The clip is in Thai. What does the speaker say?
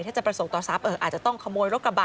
ถ้าจะประสงค์ต่อทรัพย์อาจจะต้องขโมยรถกระบะ